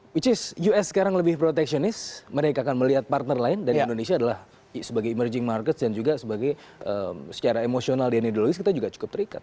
which is us sekarang lebih protectionist mereka akan melihat partner lain dan indonesia adalah sebagai emerging markets dan juga sebagai secara emosional dan ideologis kita juga cukup terikat